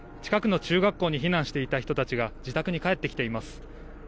近くの中学校に避難していた人たちが自宅に帰ってきています。